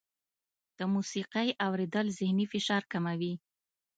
د موسیقۍ اورېدل ذهني فشار کموي.